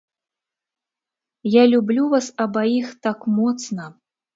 Я люблю вас абаіх так моцна.